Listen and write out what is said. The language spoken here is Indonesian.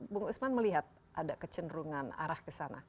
bung usman melihat ada kecenderungan arah ke sana